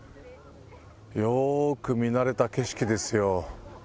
よーく見慣れた景色ですよ